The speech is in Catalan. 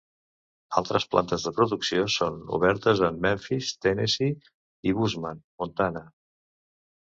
Altres plantes de producció són obertes en Memphis, Tennessee i Bozeman, Montana.